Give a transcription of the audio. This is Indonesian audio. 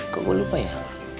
kok gue lupa ya